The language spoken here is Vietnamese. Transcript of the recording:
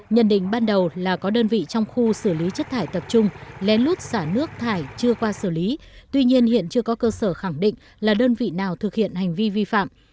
nhận định ban đầu là có đơn vị trong khu xử lý chất thải tập trung lén lút xả nước thải chưa qua xử lý tuy nhiên hiện chưa có cơ sở khẳng định là đơn vị nào thực hiện hành vi vi phạm